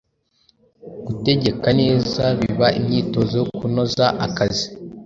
Gutegeka neza biaba imyitozo yo kunoza akazi